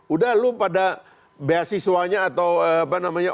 udah lu pada beasiswanya atau apa namanya